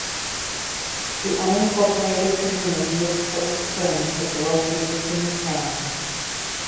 The unincorporated community of Cold Spring is located in the town.